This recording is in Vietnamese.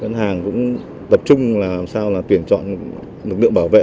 ngân hàng cũng tập trung làm sao là tuyển chọn lực lượng bảo vệ